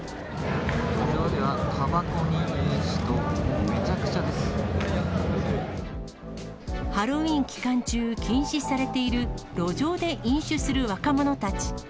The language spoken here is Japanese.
路上では、たばこに飲酒と、ハロウィーン期間中禁止されている、路上で飲酒する若者たち。